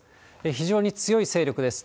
非常に強い勢力です。